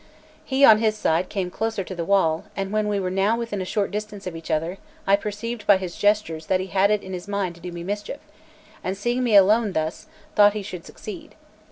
He on his side came closer to the wall, and when we were now within a short distance of each other, I perceived by his gestures that he had it in his mind to do me mischief, and seeing me alone thus, thought he should succeed.